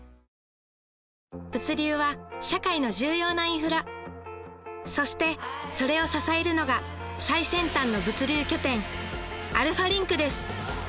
物流は社会の重要なインフラそしてそれを支えるのが最先端の物流拠点アルファリンクです